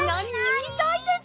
ききたいです！